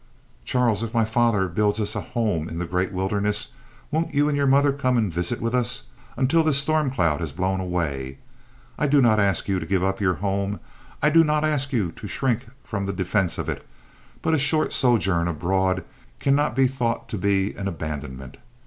"Charles, if my father builds us a home in the great wilderness, won't you and your mother come and visit with us, until this storm cloud has blown away? I do not ask you to give up your home. I do not ask you to shrink from the defence of it; but a short sojourn abroad cannot be thought to be an abandonment.